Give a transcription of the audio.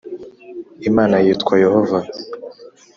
Imana yitwa Yehova